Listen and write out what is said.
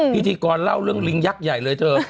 พิธีกรเล่าเรื่องลิงยักษ์ใหญ่เลยเธอ